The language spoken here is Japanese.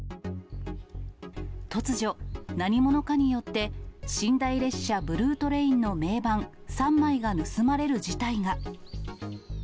突如、何者かによって、寝台列車ブルートレインの銘板３枚が盗まれる事態が。